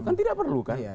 kan tidak perlu kan